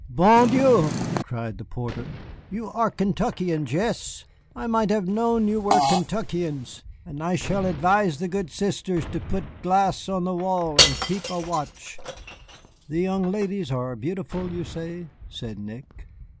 "Bon Dieu!" cried the porter, "you are Kentuckians, yes? I might have known that you were Kentuckians, and I shall advise the good sisters to put glass on the wall and keep a watch." "The young ladies are beautiful, you say?" said Nick.